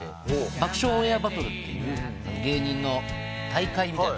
『爆笑オンエアバトル』っていう芸人の大会みたいな。